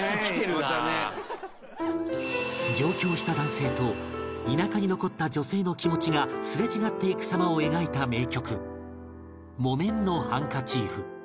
上京した男性と田舎に残った女性の気持ちがすれ違っていく様を描いた名曲『木綿のハンカチーフ』